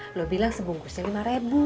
lo bilang sebungkusnya lima ribu